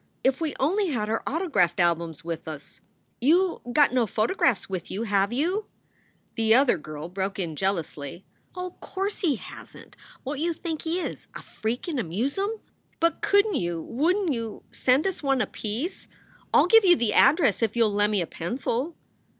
if we only had our autograft albums with us. You got no photografts with you, have you?" SOULS FOR SALE 55 The other girl broke in jealously: "O* course he hasn t. What you think he is, a freak in a muzhum? But couldn t you, wouldn t you send us one apiece? I ll give you the address if you ll lemme a pensul."